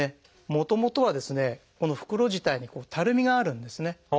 もともとはこの袋自体にたるみがあるんですね。